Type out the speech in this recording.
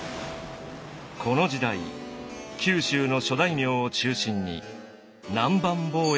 この時代九州の諸大名を中心に南蛮貿易が盛んになりました。